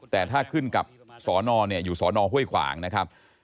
แต่ถ้าขึ้นกับสนอยู่สนฮ่วยขวางนะครับ